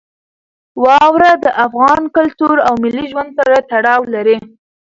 واوره د افغان کلتور او ملي ژوند سره تړاو لري.